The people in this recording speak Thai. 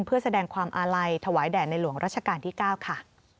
เพื่อแสดงความอาลัยถวายแด่ในหลวงรัชกาลที่๙ค่ะ